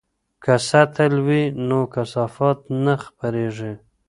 که سطل وي نو کثافات نه خپریږي.